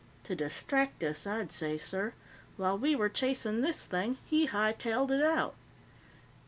"To distract us, I'd say, sir. While we were chasing this thing, he hightailed it out."